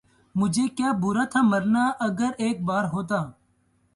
مجھے کیا برا تھا مرنا اگر ایک بار ہوتا